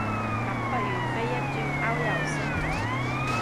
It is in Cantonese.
咁不如飛一轉歐遊先